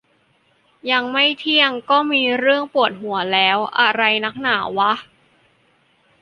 ยังไม่เที่ยงก็มีเรื่องปวดหัวแล้ว อะไรนักหนาวะ